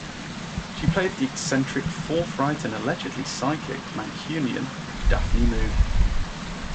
She played the eccentric, forthright, and allegedly psychic Mancunian Daphne Moon.